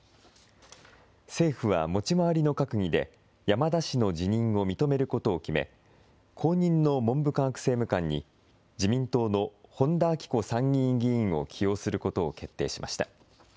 政府は持ち回りの閣議で山田氏の辞任を認めることを決め後任の文部科学政務官に自民党の本田顕子参議院議員を起用しすることを決定しました。